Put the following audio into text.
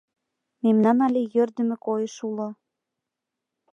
— Мемнан але йӧрдымӧ койыш уло.